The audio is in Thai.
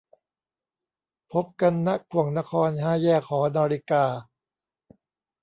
พบกัน ณ ข่วงนคร ห้าแยกหอนาฬิกา